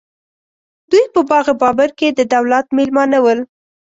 دوی په باغ بابر کې د دولت مېلمانه ول.